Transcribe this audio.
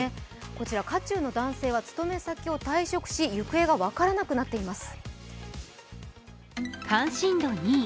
こちら渦中の男性は勤め先を退職し、行方が分からなくなっています。